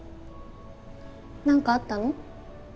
何かあったの？